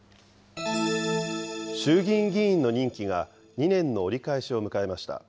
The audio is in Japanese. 衆議院議員の任期が、２年の折り返しを迎えました。